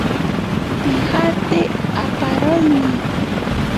Pijate apaniroini.